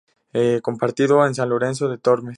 Compartido con San Lorenzo de Tormes.